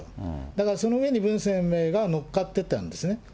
だから、その上で文鮮明が乗っかってたんですよね。